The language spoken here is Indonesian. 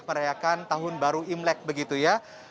merayakan tahun baru imlek begitu ya